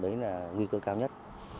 đấy là nguy cơ cao nhất